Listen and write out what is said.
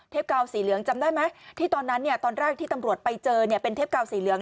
กาวสีเหลืองจำได้ไหมที่ตอนนั้นตอนแรกที่ตำรวจไปเจอเนี่ยเป็นเทปกาวสีเหลือง